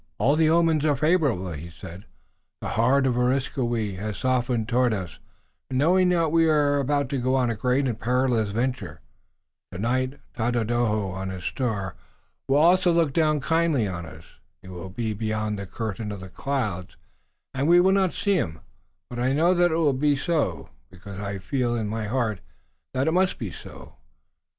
"All the omens are favorable," he said. "The heart of Areskoui has softened toward us, knowing that we are about to go on a great and perilous venture. Tonight Tododaho on his star will also look down kindly on us. He will be beyond the curtain of the clouds, and we will not see him, but I know that it will be so, because I feel in my heart that it must be so.